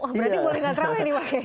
berarti boleh gak taraweh nih